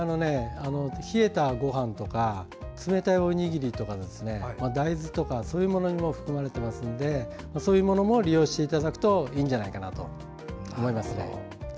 冷えたごはんとか冷たいおにぎりとか大豆とかにも含まれているので利用していただくといいんじゃないかと思います。